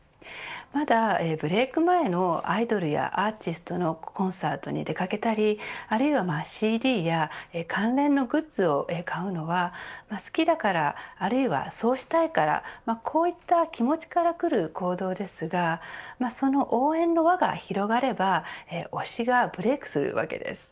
まだブレーク前のアイドルやアーティストのコンサートに出かけたりあるいはＣＤや関連のグッズを買うのは好きだからあるいは、そうしたいからこういった気持ちからくる行動ですがその応援の輪が広がれば推しがブレークするわけです。